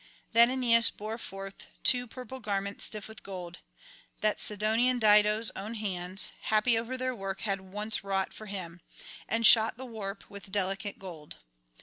Then Aeneas bore forth two purple garments stiff with gold, that Sidonian Dido's own hands, happy over their work, had once wrought for him, and shot the warp with delicate gold.